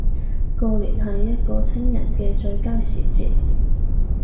過年係一個清人既最佳時節